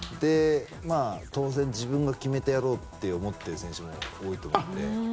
当然、自分が決めてやろうって思ってる選手も多いと思うので。